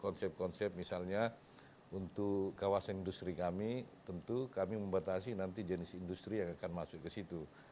konsep konsep misalnya untuk kawasan industri kami tentu kami membatasi nanti jenis industri yang akan masuk ke situ